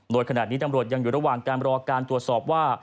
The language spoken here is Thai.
โดยขณะนี้ตำรวจยังอยู่ระหว่างการรอการตรวจสอบว่า